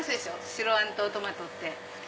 白あんとトマト。